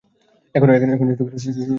এখন যেটুকু আছে সে দুদিনেই সারিয়া যাইবে।